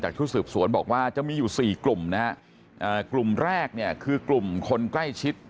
ชุดสืบสวนบอกว่าจะมีอยู่สี่กลุ่มนะฮะกลุ่มแรกเนี่ยคือกลุ่มคนใกล้ชิด